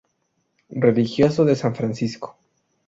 Religioso de S. Francisco.